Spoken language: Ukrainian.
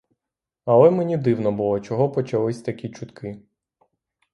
Але мені дивно було, чого почались такі чутки.